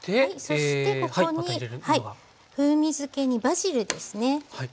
そしてここに風味づけにバジルですね。